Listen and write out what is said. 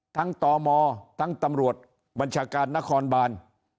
ตมทั้งตำรวจบัญชาการนครบาน